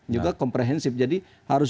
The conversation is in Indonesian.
juga komprehensif jadi harus